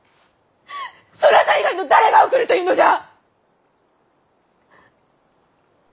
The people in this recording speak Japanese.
そなた以外の誰が送るというのじゃ！